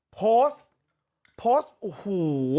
โพสต์โพสต์โอ้โห